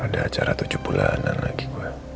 aduh ada acara tujuh bulanan lagi gue